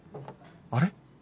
あれ？